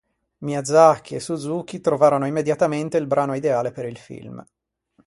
Miyazaki e Suzuki trovarono immediatamente il brano ideale per il film.